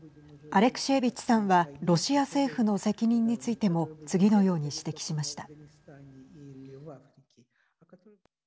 アレクシェービッチさんはロシア政府の責任についても次のように指摘しました。